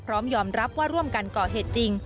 พร้อมยอมรับว่าร่วมกันก่อเหตุจริง